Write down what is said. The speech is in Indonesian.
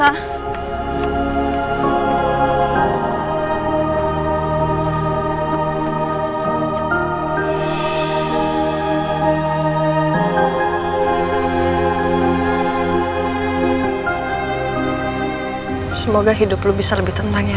siapa sih yang pakai kelihatan yang eh